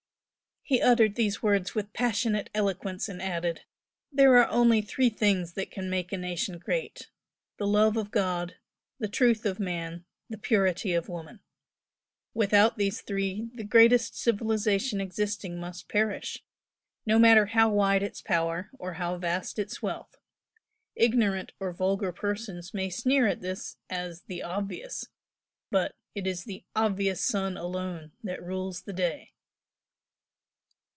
He uttered these words with passionate eloquence and added "There are only three things that can make a nation great, the love of God, the truth of man, the purity of woman. Without these three the greatest civilisation existing must perish, no matter how wide its power or how vast its wealth. Ignorant or vulgar persons may sneer at this as 'the obvious' but it is the 'obvious' sun alone that rules the day."